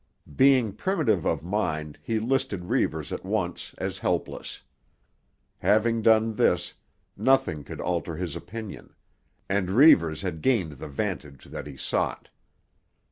Being primitive of mind he listed Reivers at once as helpless. Having done this, nothing could alter his opinion; and Reivers had gained the vantage that he sought.